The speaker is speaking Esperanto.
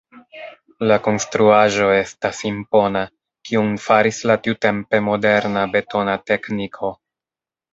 La konstruaĵo estas impona, kiun faris la tiutempe moderna betona tekniko.